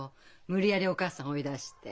無理やりお義母さん追い出して。